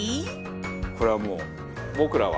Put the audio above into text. これはもう僕らは。